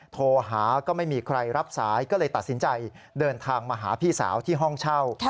โทรหาก็ไม่มีใครรับสายก็เลยตัดสินใจเดินทางมาหาพี่สาวที่ห้องเช่า